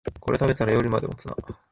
これ食べたら夜まで持つな